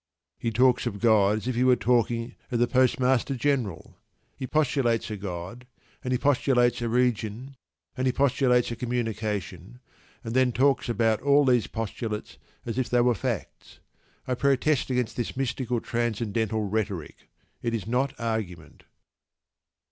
He talks of God as if he were talking of the Postmaster General. He postulates a God, and he postulates a region, and he postulates a communication, and then talks about all these postulates as if they were facts. I protest against this mystical, transcendental rhetoric. It is not argument.